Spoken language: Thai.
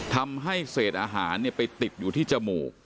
ทำให้เศษอาหารไปติดอยู่ที่จมูก